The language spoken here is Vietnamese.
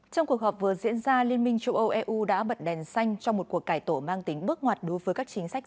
trong cuộc họp vừa diễn ra liên minh châu âu eu đã bật đèn xanh cho một cuộc cải tổ mang tính bước ngoặt đối với các chính sách